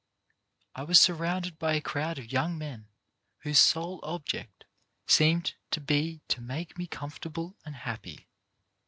I was surrounded by a crowd of young men whose sole object seemed to be to make me comfortable and happy.